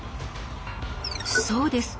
そうです。